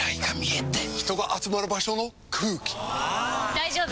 大丈夫！